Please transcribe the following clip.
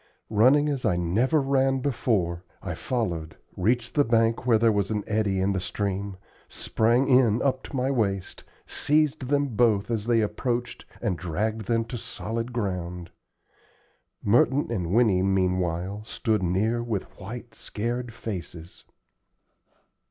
Running as I never ran before, I followed, reached the bank where there was an eddy in the stream, sprang in up to my waist, seized them both as they approached and dragged them to solid ground. Merton and Winnie meanwhile stood near with white, scared faces.